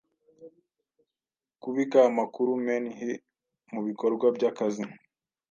kubika amakuru menhi mubikorwa byakazi